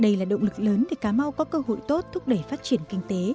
đây là động lực lớn để cà mau có cơ hội tốt thúc đẩy phát triển kinh tế